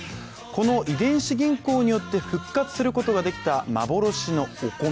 この遺伝子銀行によって復活することができた、幻のお米。